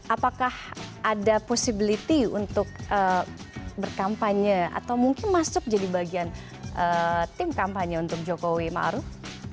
apakah ada possibility untuk berkampanye atau mungkin masuk jadi bagian tim kampanye untuk jokowi ⁇ maruf ⁇